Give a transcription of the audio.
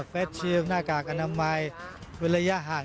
แฟนเชียลหน้ากากอนามัยวิละยะห่าง